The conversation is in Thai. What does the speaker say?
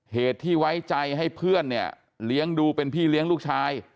เหตุที่ไว้ใจให้เพื่อนเนี่ยเลี้ยงดูเป็นพี่เลี้ยงลูกชาย